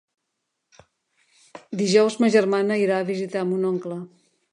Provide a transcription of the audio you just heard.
Dijous ma germana irà a visitar mon oncle.